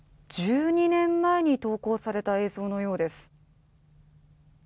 １２年前に投稿された映像のようです。